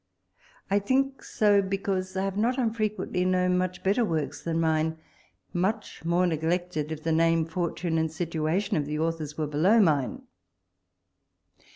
I think so, because I have not unfrequently known much better works than 188 WALPOLE S LETTERS. mine much more neglected, if the name, fortune, and situation of the authors were below mine.